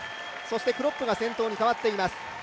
クロップが先頭に変わっています。